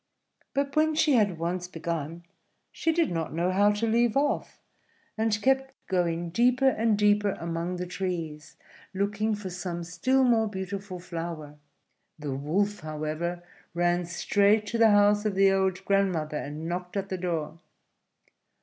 But when she had once begun she did not know how to leave off, and kept going deeper and deeper among the trees looking for some still more beautiful flower. The Wolf, however, ran straight to the house of the old grandmother, and knocked at the door.